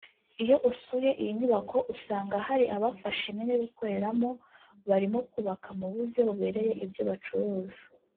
Iyo usuye iyi nyubako usanga hari abafashe imyanya yo gukoreramo barimo kubaka mu buryo bubereye ibyo bacuruza